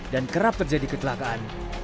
dan kerap terjadi ketelakaan